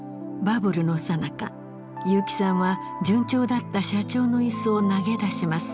バブルのさなか結城さんは順調だった社長の椅子を投げ出します。